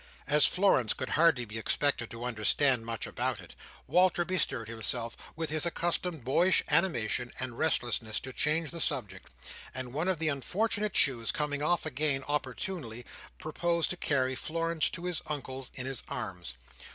As Florence could hardly be expected to understand much about it, Walter bestirred himself with his accustomed boyish animation and restlessness to change the subject; and one of the unfortunate shoes coming off again opportunely, proposed to carry Florence to his uncle's in his arms.